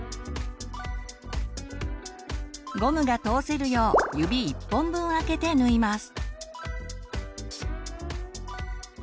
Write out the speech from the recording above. ゴムが通せるよう指１本分空けて縫います。